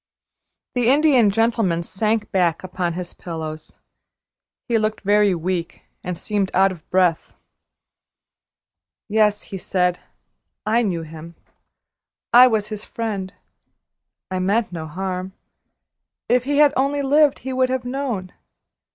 The Indian Gentleman sank back upon his pillows. He looked very weak, and seemed out of breath. "Yes," he said, "I knew him. I was his friend. I meant no harm. If he had only lived he would have known.